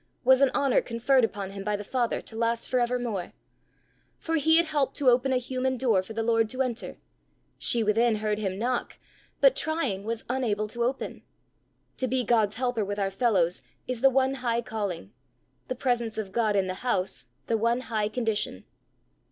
was an honour conferred upon him by the Father, to last for evermore! For he had helped to open a human door for the Lord to enter! she within heard him knock, but, trying, was unable to open! To be God's helper with our fellows is the one high calling; the presence of God in the house the one high condition.